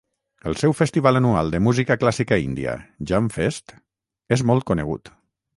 El seu festival anual de música clàssica índia, "Janfest", és molt conegut.